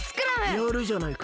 やるじゃないか！